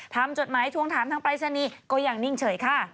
ทำจดหมายทวงถามทางปริศนีก็อย่างนิ่งเฉยค่ะ